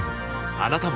あなたも